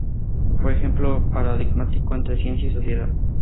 Fue ejemplo paradigmático entre ciencia y sociedad.